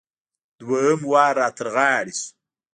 دوهم وار را تر غاړې شو.